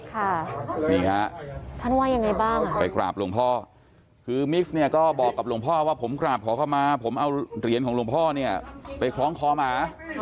นี่ฮะท่านว่ายังไงบ้างไปกราบหลวงพ่อคือมิกซ์เนี่ยก็บอกกับหลวงพ่อว่าผมกราบขอเข้ามาผมเอาเหรียญของหลวงพ่อเนี่ยไปคล้องคอหมา